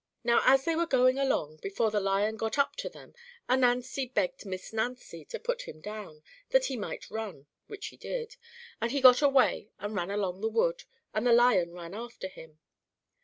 Now as they were going along, before the Lion got up to them, Ananzi begged Miss Nancy to put him down, that he might run, which he did, and he got away and ran along the wood, and the Lion ran after him.